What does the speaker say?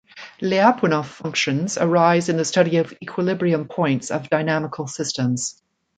Lyapunov functions arise in the study of equilibrium points of dynamical systems.